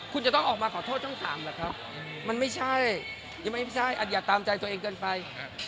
คุณจะต้องออกมาขอโทษทั้ง๓แหละครับมันไม่ใช่อาจอย่าตามใจตัวเองเกินไป